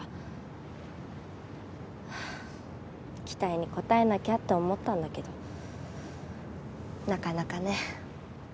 期待に応えなきゃって思ったんだけどなかなかね。